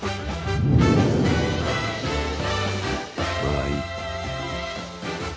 まあいい。